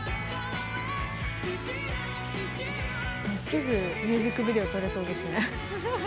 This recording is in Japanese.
すぐミュージックビデオ撮れそうですね。